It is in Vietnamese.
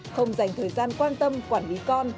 không dành thời gian quan tâm quản lý con